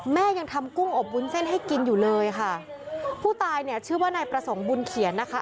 แม่ยังทำกุ้งอบวุ้นเส้นให้กินอยู่เลยค่ะผู้ตายเนี่ยชื่อว่านายประสงค์บุญเขียนนะคะ